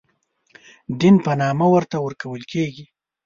دین په نامه ورته ورکول کېږي.